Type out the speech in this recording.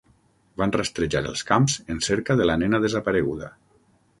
Van rastrejar els camps en cerca de la nena desapareguda.